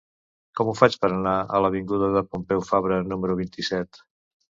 Com ho faig per anar a l'avinguda de Pompeu Fabra número vint-i-set?